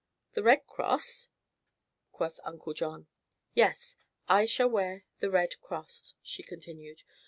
"The Red Cross?" quoth Uncle John. "Yes; I shall wear the Red Cross," she continued.